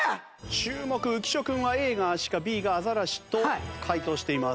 注目浮所君はＡがアシカＢがアザラシと解答しています。